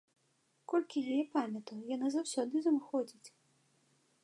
Колькі яе памятаю, яна заўсёды з ім ходзіць.